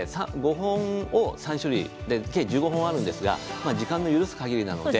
５本３種類で計１５本あるんですが、時間の許すかぎりなので。